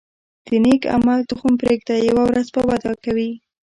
د نیک عمل تخم پرېږده، یوه ورځ به وده کوي.